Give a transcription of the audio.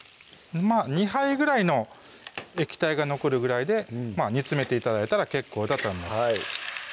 ２杯ぐらいの液体が残るぐらいで煮詰めて頂いたら結構だと思います